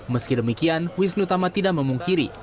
meski demikian wisnu tama tidak memungkiri